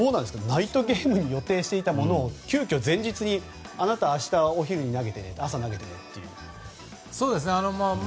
ナイトゲームに予定していたものを急きょ前日にあなた、明日お昼投げて朝投げてというのは。